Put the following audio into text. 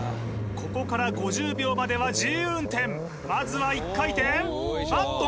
ここから５０秒までは自由運転まずは１回転あっと